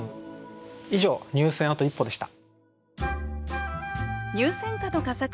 以上「入選あと一歩」でした。